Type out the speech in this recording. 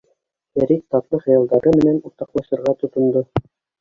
— Фәрит татлы хыялдары менән уртаҡлашырға тотондо.